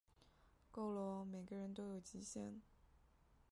够了喔，每个人都有极限